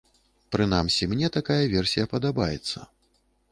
Прынамсі, мне такая версія падабаецца.